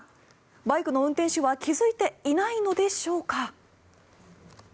バイクの運転手は気付いていないのでしょうか。